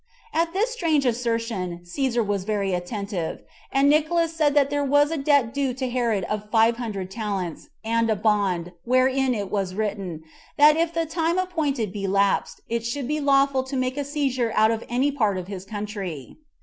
At this strange assertion Cæsar was very attentive; and Nicolaus said that there was a debt due to Herod of five hundred talents, and a bond, wherein it was written, that if the time appointed be lapsed, it should be lawful to make a seizure out of any part of his country.